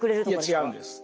いや違うんです。